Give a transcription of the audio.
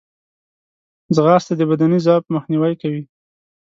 ځغاسته د بدني ضعف مخنیوی کوي